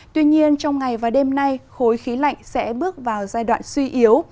tuy nhiên trong ngày và đêm nay khối khí lạnh sẽ bước vào giai đoạn suy yếu